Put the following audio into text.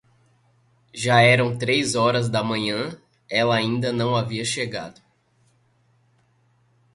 Já eram três horas da manhã, ela ainda não havia chegado.